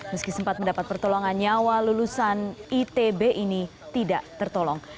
meski sempat mendapat pertolongan nyawa lulusan itb ini tidak tertolong